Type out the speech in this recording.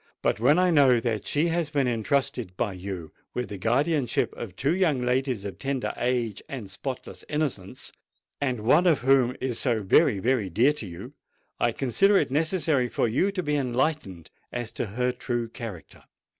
But when I know that she has been entrusted by you with the guardianship of two young ladies of tender age and spotless innocence, and one of whom is so very, very dear to you, I consider it necessary for you to be enlightened as to her true character.